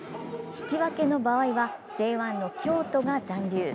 引き分けの場合はＪ１の京都が残留。